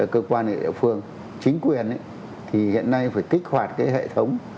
cơ quan địa phương chính quyền thì hiện nay phải kích hoạt cái hệ thống